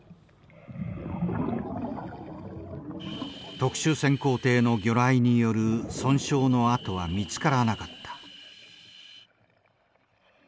特殊潜航艇の魚雷による損傷の跡は見つからなかった。